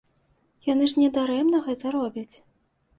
Яны ж не дарэмна гэта робяць.